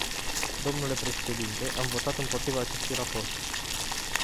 Dle președinte, am votat împotriva acestui raport.